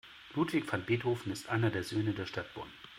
Ludwig van Beethoven ist einer der Söhne der Stadt Bonn.